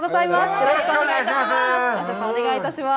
よろしくお願いします。